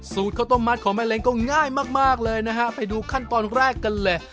ข้าวต้มมัดของแม่เล็งก็ง่ายมากเลยนะฮะไปดูขั้นตอนแรกกันเลย